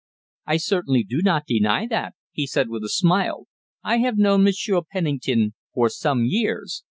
"I certainly do not deny that," he said, with a smile. "I have known Monsieur Penning ton for some years.